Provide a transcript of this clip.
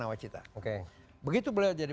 nawacita begitu beliau jadi